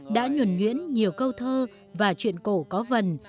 đã nhuẩn nhuyễn nhiều câu thơ và chuyện cổ có vần